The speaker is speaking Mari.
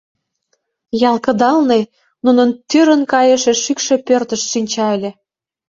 Ял кыдалне нунын тӱрын кайыше шӱкшӧ пӧртышт шинча ыле.